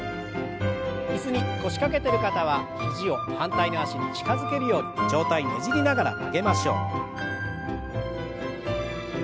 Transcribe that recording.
椅子に腰掛けてる方は肘を反対の脚に近づけるように上体ねじりながら曲げましょう。